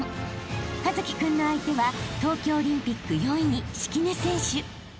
［一輝君の相手は東京オリンピック４位敷根選手］